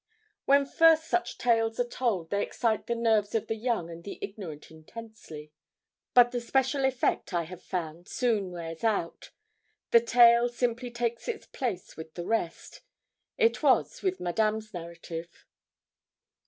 When first such tales are told, they excite the nerves of the young and the ignorant intensely. But the special effect, I have found, soon wears out. The tale simply takes it's place with the rest. It was with Madame's narrative.